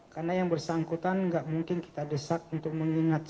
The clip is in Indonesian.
karena yang bersangkutan tidak mungkin kita desak untuk mengingat